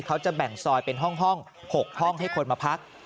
เขาจะแบ่งซอยเป็นห้อง๖ห้องให้คนมาพัก